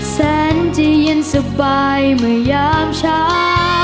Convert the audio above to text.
แสนจะเย็นสบายเมื่อยามเช้า